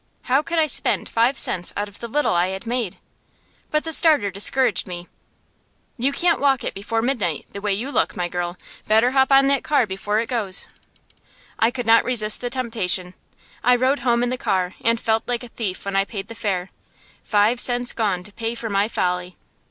How could I spend five cents out of the little I had made? But the starter discouraged me. "You can't walk it before midnight the way you look, my girl. Better hop on that car before it goes." I could not resist the temptation. I rode home in the car, and felt like a thief when I paid the fare. Five cents gone to pay for my folly!